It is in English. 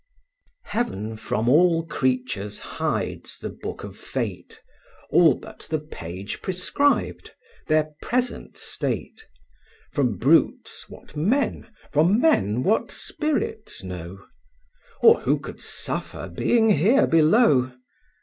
III. Heaven from all creatures hides the book of Fate, All but the page prescribed, their present state: From brutes what men, from men what spirits know: Or who could suffer being here below?